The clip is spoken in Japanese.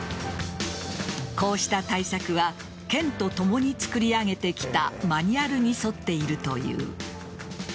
こうした対策は県とともに作り上げてきたマニュアルに沿っているという。